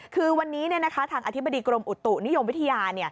คือวันนี้ทางอธิบดีกรมอุตุนิยมวิทยา